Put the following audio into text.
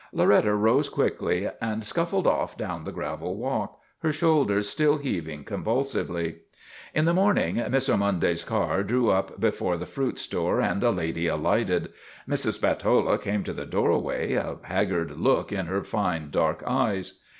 Loretta rose quickly and scuffled off down the gravel walk, her shoulders still heaving convul sively. In the morning Miss Ormonde's car drew up be fore the fruit store and the lady alighted. Mrs. Spatola came to the doorway, a haggard look in her fine dark eyes.